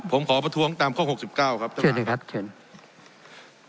ผมขอประท้วงตามข้อหกสิบเก้าครับช่วยด้วยครับช่วยด้วยครับ